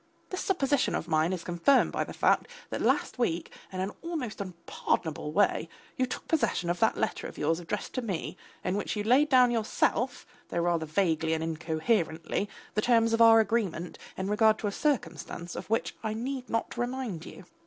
This supposition of mine is confirmed by the fact that last week in an almost unpardonable way you took possession of that letter of yours addressed to me, in which you laid down yourself, though rather vaguely and incoherently, the terms of our agreement in regard to a circumstance of which I need not remind you.